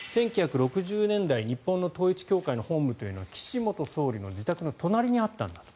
１９６０年代日本の統一教会の本部というのは岸元総理の自宅の隣にあったんだと。